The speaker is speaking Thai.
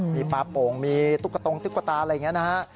มีปลาโป่งมีตุ๊กตงตุ๊กตาอะไรอย่างนี้นะฮะ